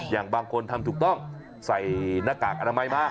อย่างบางคนทำถูกต้องใส่หน้ากากอนามัยมา